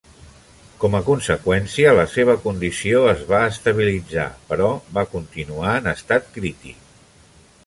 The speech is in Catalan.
Com a conseqüència, la seva condició es va estabilitzar, però va continuar en estat crític.